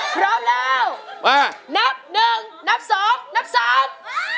พร้อมแล้วมานับหนึ่งนับสองนับสาม